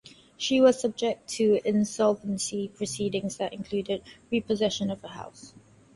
She was subject to insolvency proceedings that included repossession of her house.